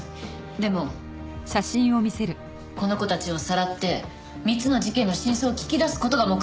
でもこの子たちをさらって３つの事件の真相を聞き出す事が目的だったんですよね？